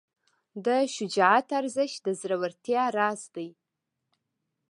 د شجاعت ارزښت د زړورتیا راز دی.